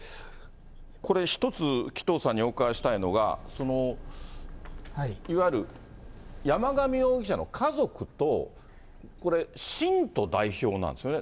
これ、一つ、紀藤さんにお伺いしたいのが、いわゆる山上容疑者の家族と、これ、信徒代表なんですね。